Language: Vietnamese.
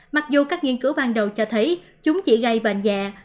mặc dù các nghiên cứu ban đầu cho thấy chúng chỉ gây bệnh dạ